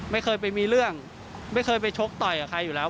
ไม่เคยไปมีเรื่องไม่เคยไปชกต่อยกับใครอยู่แล้ว